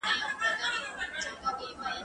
که وخت وي، خواړه ورکوم؟